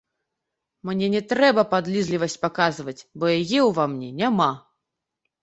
Мне не трэба падлізлівасць паказваць, бо яе ўва мне няма.